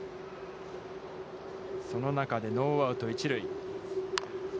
その中でノーアウト、一塁。